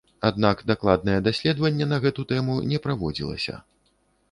Аднак дакладнае даследаванне на гэту тэму не праводзілася.